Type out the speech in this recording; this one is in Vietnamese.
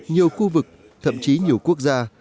nhiều khu vực thậm chí nhiều quốc gia